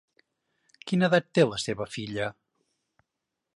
Quina edat té la seva filla?